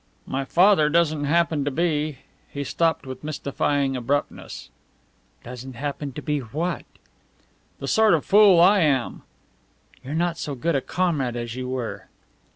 "My father doesn't happen to be " He stopped with mystifying abruptness. "Doesn't happen to be what?" "The sort of fool I am!" "You're not so good a comrade as you were."